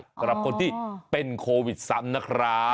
สำหรับคนที่เป็นโควิดซ้ำนะครับ